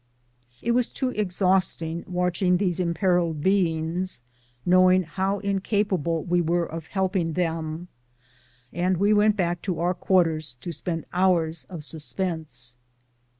It was too ex hausting ^vatching these imperilled beings, knowing how incapable we were of helping them, and we went back to our quarters to spend hours of suspense.